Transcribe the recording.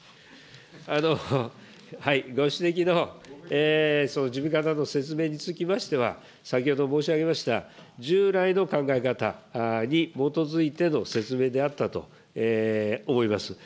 ご指摘の事務方の説明につきましては、先ほど申し上げました、従来の考え方に基づいての説明であったと思います。